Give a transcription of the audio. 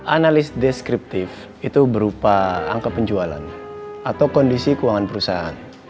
analis deskriptif itu berupa angka penjualan atau kondisi keuangan perusahaan